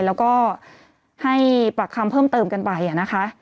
แล้วก็ให้ปากคำเพิ่มเติมกันไปนะคะ